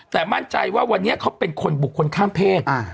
แต่มั่นใจว่าวันนี้เขาเป็นคนบุคคลข้ามเพศ